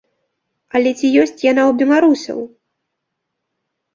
Але ці ёсць яна ў беларусаў?